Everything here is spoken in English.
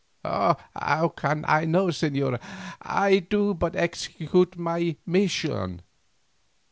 "How can I know, señora? I do but execute my mission."